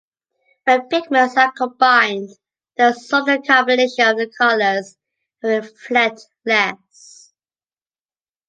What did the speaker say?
When pigments are combined, they absorb the combination of their colors, and reflect less.